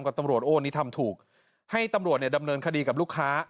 กับตำรวจโอ้นี่ทำถูกให้ตำรวจเนี่ยดำเนินคดีกับลูกค้า